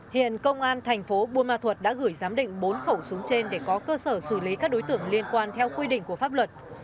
hiện công an thành phố buôn ma thuật đã gửi giám định bốn khẩu súng trên để có cơ sở xử lý các đối tượng liên quan theo quy định của pháp luật